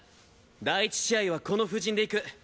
第１試合はこの布陣でいく。